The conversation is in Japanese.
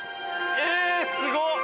えすごっ！